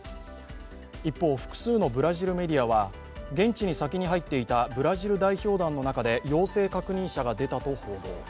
一方、複数のブラジルメディアは現地に先に入っていたブラジル代表団の中で陽性確認者が出たと報道。